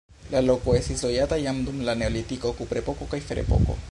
La loko estis loĝata jam dum la neolitiko, kuprepoko kaj ferepoko.